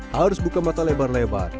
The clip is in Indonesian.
harus buka mata lebar lebar